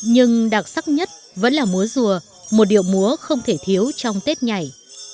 nhưng đặc sắc nhất vẫn là múa rùa một điệu múa không thể thiếu trong tết nhảy